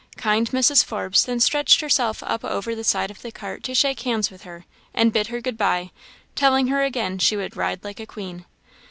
Kind Mrs. Forbes then stretched herself up over the side of the cart to shake hands with her, and bid her good bye, telling her again she would ride like a queen.